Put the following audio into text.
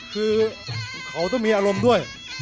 คือเขาต้องมีอารมณ์ด้วย